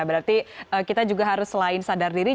berarti kita juga harus selain sadar diri